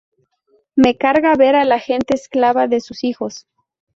Me carga ver a la gente esclava de sus hijos.